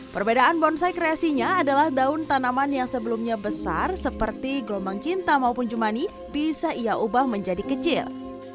perbedaan bonsai kreasinya adalah daun tanaman yang sebelumnya besar seperti gelombang cinta maupun jumani bisa ia ubah menjadi kecil